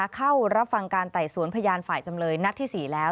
เข้ารับฟังการไต่สวนพยานฝ่ายจำเลยนัดที่๔แล้ว